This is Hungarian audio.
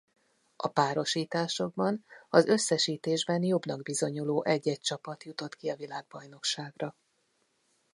A párosításokban az összesítésben jobbnak bizonyuló egy-egy csapat jutott ki a világbajnokságra.